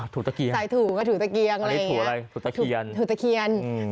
ถูตะเคียงถูตะเคียงอะไรอย่างนี้ถูอะไรถูตะเคียนถูตะเคียน